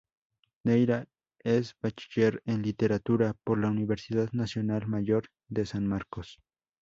Neyra es bachiller en Literatura por la Universidad Nacional Mayor de San Marcos.